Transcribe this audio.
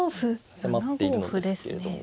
迫っているのですけれども。